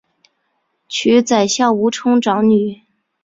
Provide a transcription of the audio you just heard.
娶宰相吴充长女。